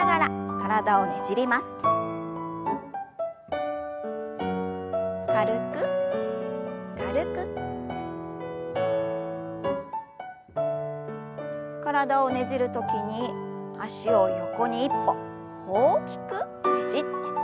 体をねじる時に脚を横に１歩大きくねじって戻します。